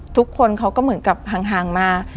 ทุกคนเขาก็เหมือนกับห่างมา